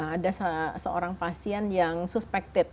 ada seorang pasien yang suspektif